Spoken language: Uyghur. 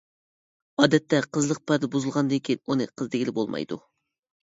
ئادەتتە قىزلىق پەردە بۇزۇلغاندىن كېيىن ئۇنى قىز دېگىلى بولمايدۇ.